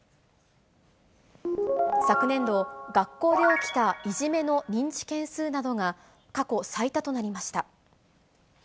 昨年度、学校で起きたいじめの認知件数などが、過去最多となりました。